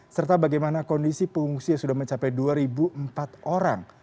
serta bagaimana kondisi pengungsi yang sudah mencapai dua empat orang